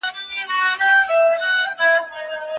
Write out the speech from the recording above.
نجونې په انلاین ډګر کې خبرې کوي.